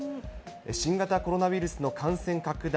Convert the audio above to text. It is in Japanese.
新型コロナウイルスの感染拡大